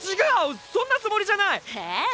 そんなつもりじゃない！え？